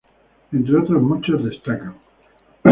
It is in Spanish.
Entre otros muchos, destacan